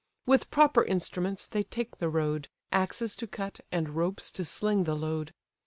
With proper instruments they take the road, Axes to cut, and ropes to sling the load.